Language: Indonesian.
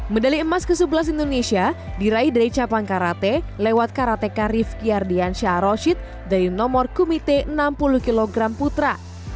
medali emas ke sebelas indonesia diraih dari capang karate lewat karateka rifki ardiansyah roshid dari nomor komite enam puluh kg putra